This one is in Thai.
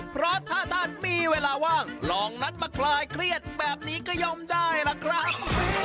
เพราะถ้าท่านมีเวลาว่างลองนัดมาคลายเครียดแบบนี้ก็ย่อมได้ล่ะครับ